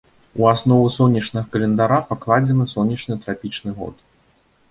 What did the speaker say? У аснову сонечнага календара пакладзены сонечны трапічны год.